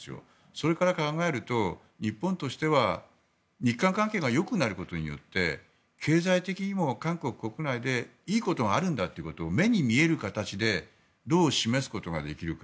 それから考えると、日本としては日韓関係がよくなることによって経済的にも韓国国内でいいことがあるんだということを目に見える形でどう示すことができるか。